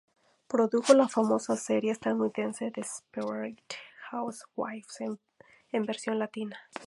Produjo la famosa serie estadounidense Desperate Housewives en versión latina.